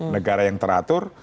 negara yang teratur